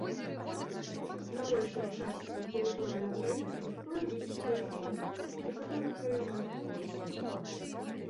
На большай частцы тэрыторыі краіны пройдуць дажджы, у некаторых раёнах моцныя.